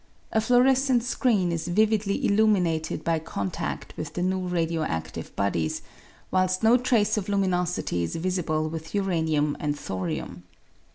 A fluorescent screen is vividly illuminated by contadt with the new radio adtive bodies, whilst no trace of luminosity is visible with uranium and thorium.